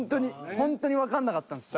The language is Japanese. ほんとにわかんなかったんすよ。